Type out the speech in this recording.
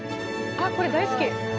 あっこれ大好き。